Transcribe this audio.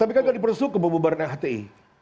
tapi kan nggak di proses hukum membubarkan hti